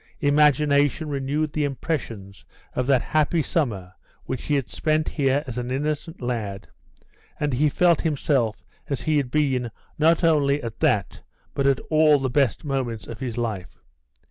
Imagination renewed the impressions of that happy summer which he had spent here as an innocent lad, and he felt himself as he had been not only at that but at all the best moments of his life.